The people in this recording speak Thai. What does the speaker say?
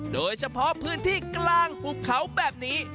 โดยเฉพาะพื้นที่กลางหุบเขาแบบนี้